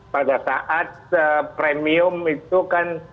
pada saat premium itu kan